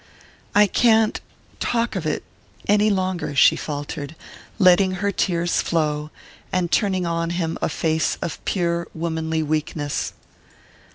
"I can't...talk of it...any longer," she faltered, letting her tears flow, and turning on him a face of pure womanly weakness.